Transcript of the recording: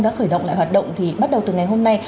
đã khởi động lại hoạt động thì bắt đầu từ ngày hôm nay